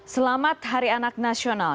selamat hari anak nasional